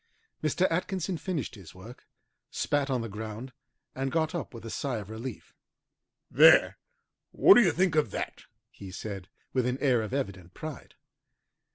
Mr. Atkinson finished his work, spat on the ground, and got up with a sigh of relief. "There! what do you think of that?" he said, with an air of evident pride.